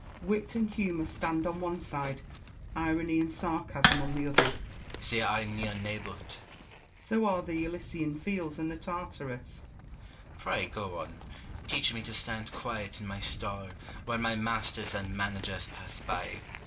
Wit and humour stand on one side, irony and sarcasm on the other. Rousseau. They are in near neighbourhood. Malesherhes. So are the Elysian fields and Tartarus. Rousseau. Pray, go on : teach me to stand quiet in my stall, while my masters and managers pass by.